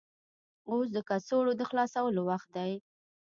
اوس د کڅوړو د خلاصولو وخت دی.